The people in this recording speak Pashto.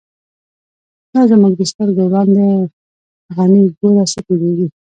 دا زمونږ د سترگو وړاندی، «غنی » گوره څه تیریږی